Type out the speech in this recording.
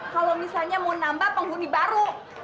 kalau misalnya mau nambah penghuni baru